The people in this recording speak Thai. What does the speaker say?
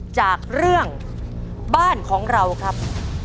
จากเรื่องบ้านของเราครับ